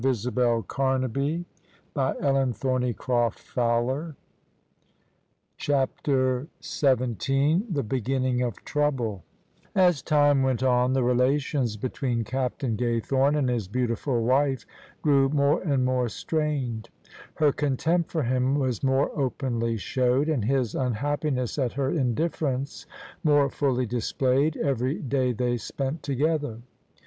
Paul, had the Spirit of God. [ 225 ] CHAPTER XVII THE BEGINNING OF TROUBLE As TIME went on, the relations between Captain Gajrthome and his beautiful wife grew more and more strained: her contempt for him was more openly showed, and his unhap piness at her indiflEerence more fully displayed, every day they spent together.